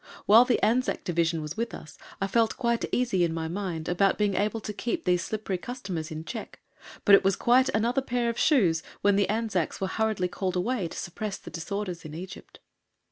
While the Anzac Division was with us I felt quite easy in my mind about being able to keep these slippery customers in check, but it was quite "another pair of shoes" when the Anzacs were hurriedly called away to suppress the disorders in Egypt.